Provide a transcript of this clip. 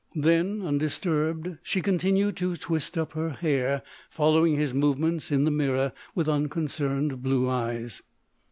Then, undisturbed, she continued to twist up her hair, following his movements in the mirror with unconcerned blue eyes.